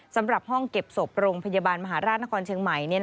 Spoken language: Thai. สำหรับห้องเก็บศพโรงพยาบาลมหาราชนครเชียงใหม่